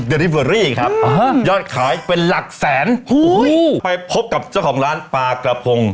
อดิเบอรี่ครับยอดขายเป็นหลักแสนโอ้โหไปพบกับเจ้าของร้านปลากระพง